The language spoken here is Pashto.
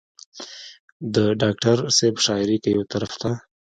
د ډاکټر صېب شاعري کۀ يو طرف ته